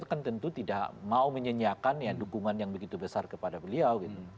dia kan tentu tidak mau menyenyakannya dukungan yang begitu besar kepada beliau